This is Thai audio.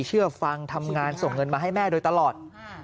เชื่อฟังทำงานส่งเงินมาให้แม่โดยตลอด